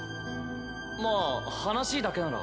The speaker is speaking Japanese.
まあ話だけなら。